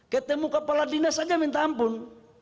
ketemu kepala dinas saja minta ampun